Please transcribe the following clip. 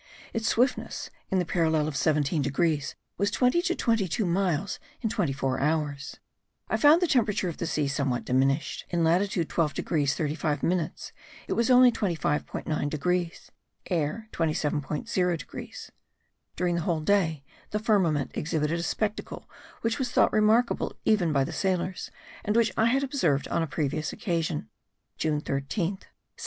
Its swiftness, in the parallel of 17 degrees, was twenty to twenty two miles in twenty four hours. I found the temperature of the sea somewhat diminished; in latitude 12 degrees 35 minutes it was only 25.9 degrees (air 27.0 degrees). During the whole day the firmament exhibited a spectacle which was thought remarkable even by the sailors and which I had observed on a previous occasion (June 13th, 1799).